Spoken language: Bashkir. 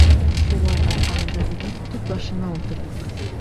Шулар арҡаһында бөгөн төп башына ултырҙыҡ!..